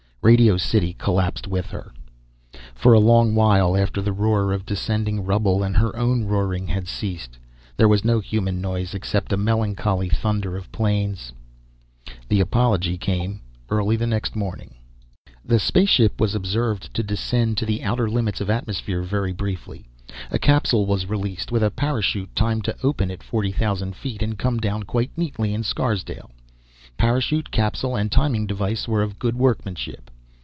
Radio City collapsed with her. For a long while after the roar of descending rubble and her own roaring had ceased, there was no human noise except a melancholy thunder of the planes. The apology came early next morning. The spaceship was observed to descend to the outer limits of atmosphere, very briefly. A capsule was released, with a parachute timed to open at 40,000 feet and come down quite neatly in Scarsdale. Parachute, capsule and timing device were of good workmanship.